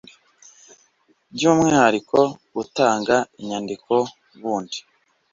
by umwihariko gutanga inyandiko bundi